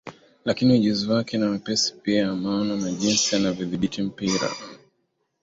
Lakini ujuzi wake na wepesi pia maono na jinsi alivyodhibiti mpira